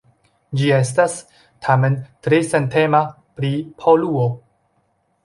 Ĝi estas, tamen, tre sentema pri poluo.